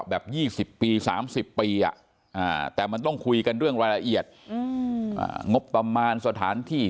แบบ๒๐ปี๓๐ปีแต่มันต้องคุยกันเรื่องรายละเอียดงบประมาณสถานที่